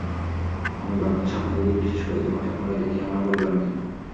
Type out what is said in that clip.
আমি বাংলায় স্বপ্ন দেখি, বিশেষ করে যখন স্বপ্নটা দেখি আমার পরিবার নিয়ে।